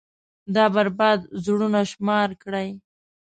دا بـربـاد زړونه شمار كړئ.